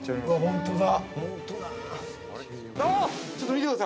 ◆本当だ！